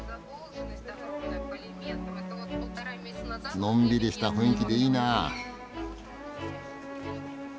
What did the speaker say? のんびりした雰囲気でいいなあ。